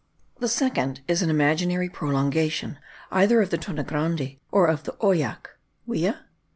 The second is an imaginary prolongation either of the Tonnegrande or of the Oyac (Wia?).